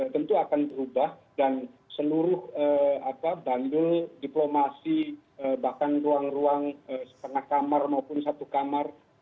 tentu akan berubah dan seluruh bandul diplomasi bahkan ruang ruang setengah kamar maupun satu kamar